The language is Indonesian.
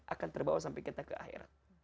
akan terbawa sampai kita ke akhirat